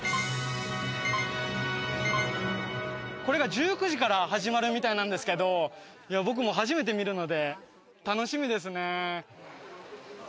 これが１９時から始まるみたいなんですけど僕も初めて見るので楽しみですね。